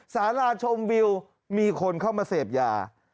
สาราชมวิวมีคนเข้ามาเสพยา